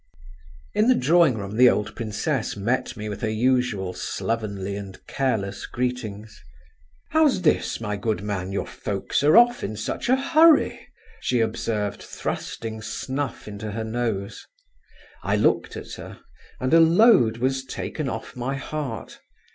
In the drawing room the old princess met me with her usual slovenly and careless greetings. "How's this, my good man, your folks are off in such a hurry?" she observed, thrusting snuff into her nose. I looked at her, and a load was taken off my heart.